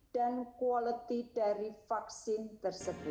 dan quality dari vaksin tersebut